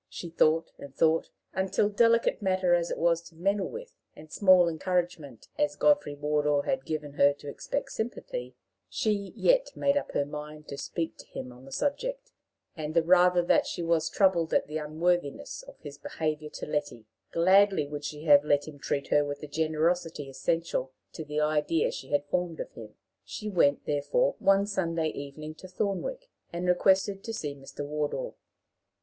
She thought and thought, until delicate matter as it was to meddle with, and small encouragement as Godfrey Wardour had given her to expect sympathy she yet made up her mind to speak to him on the subject and the rather that she was troubled at the unworthiness of his behavior to Letty: gladly would she have him treat her with the generosity essential to the idea she had formed of him. She went, therefore, one Sunday evening, to Thornwick, and requested to see Mr. Wardour.